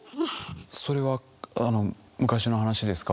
それは昔の話ですか？